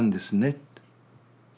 って。